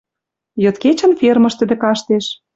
Йыд-кечӹн фермыш тӹдӹ каштеш